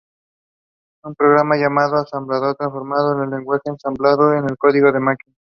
Un programa llamado ensamblador transforma el lenguaje ensamblador en código de máquina.